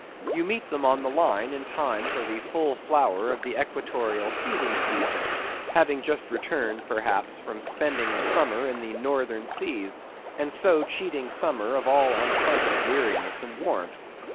You meet them on the Line in time for the full flower of the Equatorial feeding season, having just returned, perhaps, from spending the summer in the Northern seas, and so cheating summer of all unpleasant weariness and warmth.